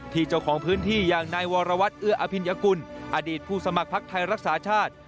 เจ้าของพื้นที่อย่างนายวรวัตรเอื้ออภิญกุลอดีตผู้สมัครพักไทยรักษาชาติ